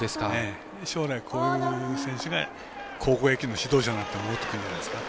将来、こういう選手が高校野球の指導者になって戻ってくるんじゃないですか。